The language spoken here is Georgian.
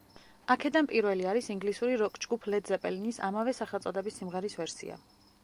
აქედან პირველი არის ინგლისური როკ-ჯგუფ ლედ ზეპელინის ამავე სახელწოდების სიმღერის ვერსია.